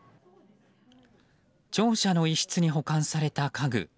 庁舎の一室に保管された家具。